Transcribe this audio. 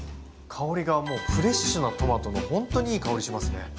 香りがもうフレッシュなトマトのほんとにいい香りしますね。